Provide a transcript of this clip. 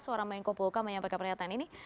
seorang main kopo poka menyampaikan pernyataan ini